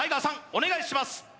お願いします